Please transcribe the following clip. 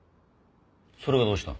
それがどうした？